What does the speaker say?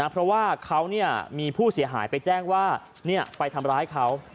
เพราะว่าเขามีผู้เสียหายไปแจ้งว่าไปทำร้ายเขา